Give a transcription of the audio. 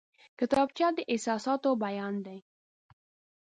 کتابچه د احساساتو بیان دی